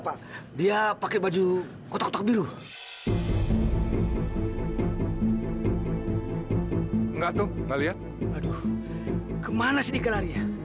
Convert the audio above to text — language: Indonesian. sampai jumpa di video selanjutnya